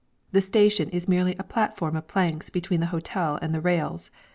The station is merely a platform of planks between the hotel and the rails.